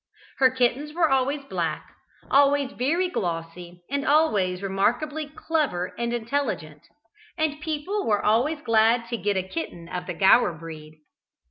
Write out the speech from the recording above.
Her kittens were always black, always very glossy and always remarkably clever and intelligent, and people were always glad to get a kitten of the Gower breed.